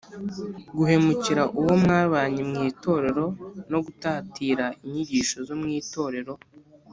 guhemukira uwo mwabanye mu itorero, no gutatira inyigisho zo mu itorero.